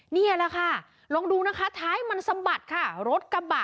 นี่ละค่ะลองดูไม่ได้อยู่ค่ะท้ายสะบัดค่ะรถกาบะ